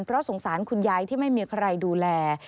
เพราะสงสารคุณยายที่ไม่มีใครดูแล